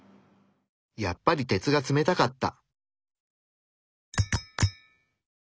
やっぱり鉄が冷たかった。